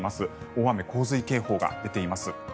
大雨・洪水警報が出ています。